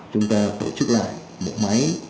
chúng ta tổ chức lại bộ máy